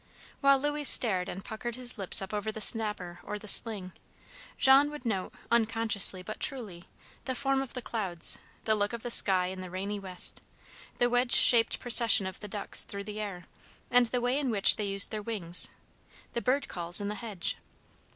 While Louis stared and puckered his lips up over the snapper or the sling, Jean would note, unconsciously but truly, the form of the clouds, the look of the sky in the rainy west, the wedge shaped procession of the ducks through the air, and the way in which they used their wings, the bird calls in the hedge.